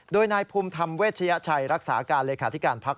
โดยนายภูมิธรรมเวชยชัยรักษาการเลขาธิการพัก